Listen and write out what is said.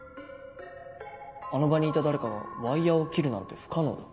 あの場にいた誰かがワイヤを切るなんて不可能だ。